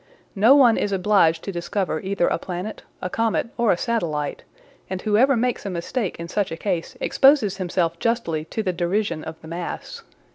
No one is obliged to discover either a planet, a comet, or a satellite; and whoever makes a mistake in such a case exposes himself justly to the derision of the mass.